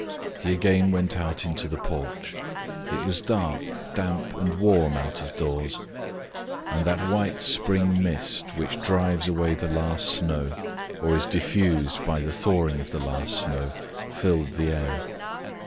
He again went out into the porch. It was dark, damp and warm out of doors, and that white spring mist which drives away the last snow, or is diffused by the thawing of the last snow, filled the air.